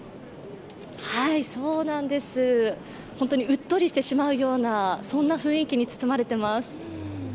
そうなんです、本当にうっとりしてしまうような雰囲気に包まれています。